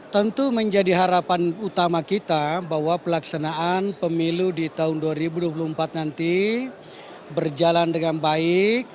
tentu menjadi harapan utama kita bahwa pelaksanaan pemilu di tahun dua ribu dua puluh empat nanti berjalan dengan baik